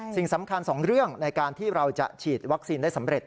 สิ่งสำคัญสองเรื่องในการที่เราจะฉีดวัคซีนได้สำเร็จ